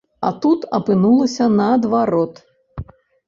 А тут апынулася наадварот.